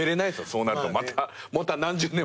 そうなるとまた何十年も。